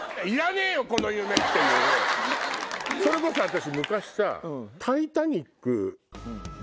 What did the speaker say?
それこそ私昔さ。